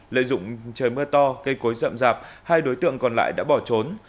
lợi dụng trời mưa to cây cối rậm rạp hai đối tượng còn lại đã bỏ trốn